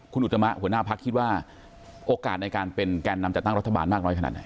คุณอุตมะหัวหน้าพักคิดว่าโอกาสในการเป็นแกนนำจัดตั้งรัฐบาลมากน้อยขนาดไหน